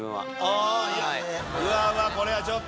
これはちょっと。